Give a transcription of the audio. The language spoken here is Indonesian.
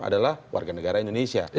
adalah warga negara indonesia